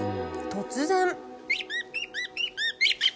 突然。